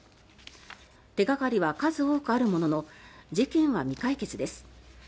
手掛かりは数多くあるものの事件は未解決です。